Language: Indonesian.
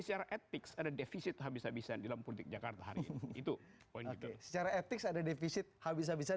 secara etik ada defisit habis habisan dalam politik jakarta hari ini itu secara etik ada defisit habis habisan